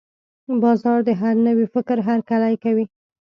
بازار د هر نوي فکر هرکلی کوي.